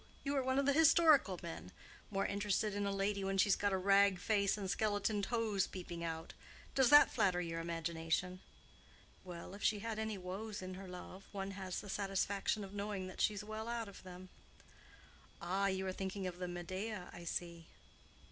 You are one of the historical men—more interested in a lady when she's got a rag face and skeleton toes peeping out. Does that flatter your imagination?" "Well, if she had any woes in her love, one has the satisfaction of knowing that she's well out of them." "Ah, you are thinking of the Medea, I see."